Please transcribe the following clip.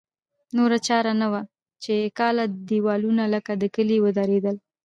نوره چاره نه وه چې کاله دېوالونه لکه د کلي ودرېدل.